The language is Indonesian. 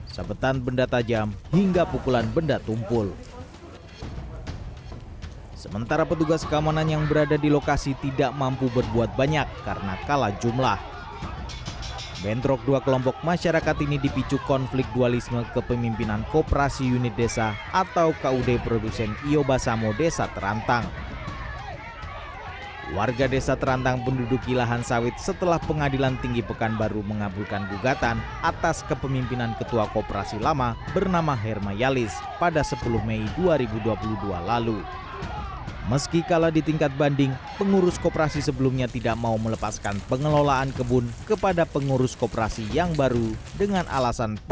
sebetan benda tajam hingga pukulan benda tumpul